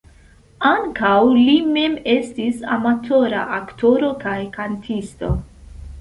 Ankaŭ li mem estis amatora aktoro kaj kantisto.